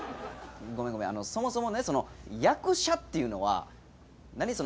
そもそもねその役者っていうのは何？